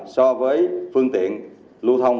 so với phương tiện lưu thông